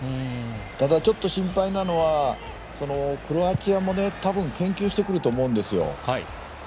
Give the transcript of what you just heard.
ただ、ちょっと心配なのはクロアチアも多分、研究してくると思うんですよ。